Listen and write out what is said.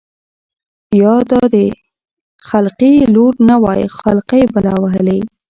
يا دا د خلقي لـور نه وای خـلقۍ بلا وهـلې.